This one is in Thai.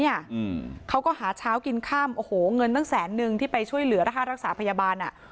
อืมเขาก็หาเช้ากินค่ำโอ้โหเงินตั้งแสนนึงที่ไปช่วยเหลือค่ารักษาพยาบาลอ่ะ